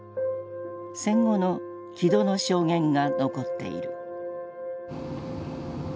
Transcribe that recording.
戦後の木戸の証言が残っている。